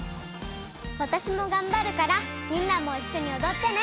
わたしもがんばるからみんなもいっしょにおどってね！